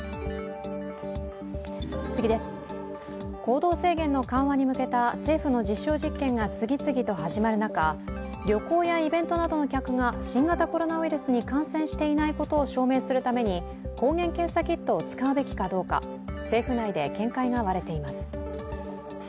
行動制限の緩和に向けた政府の実証実験が次々と始まる中旅行やイベントなどの客が新型コロナウイルスに感染していないことを証明するために抗原検査キットを使うべきかどうか、政府内で見解が割れています。